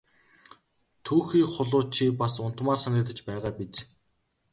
Түүхий хулуу чи бас унтмаар санагдаж байгаа биз!